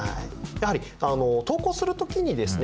やはり投稿する時にですね